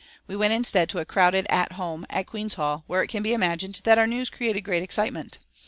We went instead to a crowded "At Home" at Queen's Hall, where it can be imagined that our news created great excitement.